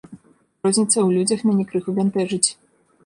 Розніца ў людзях мяне крыху бянтэжыць.